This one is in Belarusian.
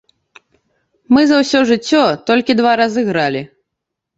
Мы за ўсё жыццё толькі два разы гралі.